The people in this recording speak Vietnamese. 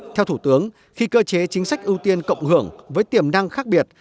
theo thủ tướng khi cơ chế chính sách ưu tiên cộng hưởng với tiềm năng khác biệt